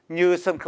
như sân khấu